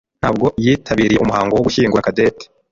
ntabwo yitabiriye umuhango wo gushyingura Cadette.